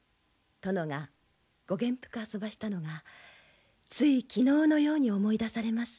殿がご元服あそばしたのがつい昨日のように思い出されます。